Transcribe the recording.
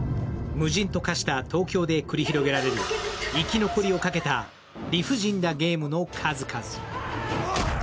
無人と化した東京で繰り広げられる生き残りを賭けた理不尽なゲームの数々。